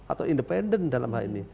atau independen dalam hal ini